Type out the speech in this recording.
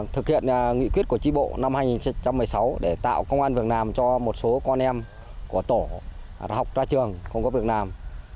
thực hiện nghị quyết của trí bộ năm hai nghìn một mươi sáu để tạo công an vườn nàm cho một số con em của tổ học ra trường không có vườn nàm